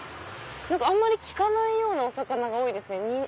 あんまり聞かないようなお魚が多いですね。